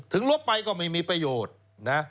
ถึงลบไปก็ไม่มีประโยชน์